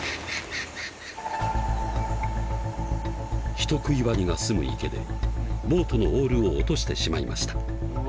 人食いワニが住む池でボートのオールを落としてしまいました。